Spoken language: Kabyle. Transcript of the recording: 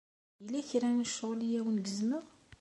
Yella kra n ccɣel ay awen-gezmeɣ?